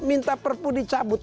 minta perpu dicabut